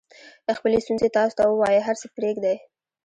خپلې ستونزې تاسو ته ووایي هر څه پرېږدئ.